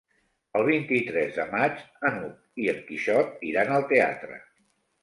El vint-i-tres de maig n'Hug i en Quixot iran al teatre.